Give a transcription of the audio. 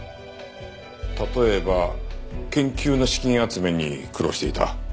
例えば研究の資金集めに苦労していた。